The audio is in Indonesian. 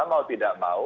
mau tidak mau